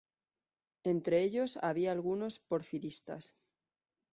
Entre ellos, había algunos porfiristas.